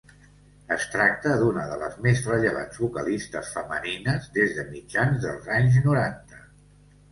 Es tracta d'una de les més rellevants vocalistes femenines des de mitjans dels anys noranta.